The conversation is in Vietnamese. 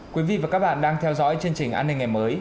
quý vị và các bạn đang theo dõi chương trình an ninh ngày mới